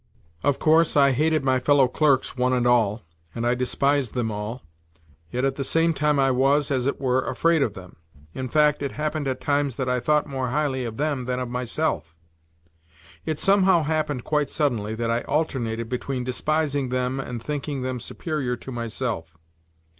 Of course, I hated my fellow clerks one and all, and I des] them all. yet at the same time I was, as it were, afraid of them. In fact, it happened at times that I thought more highly of them than of myself. It somehow happened quite suddenly that I alternated between despising them and thinking them superior to myself.